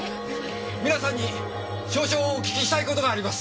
皆さんに少々お聞きしたい事があります。